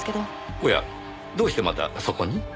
おやどうしてまたそこに？